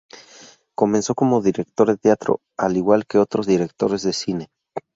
Comenzó como director de teatro, al igual que otros directores de cine.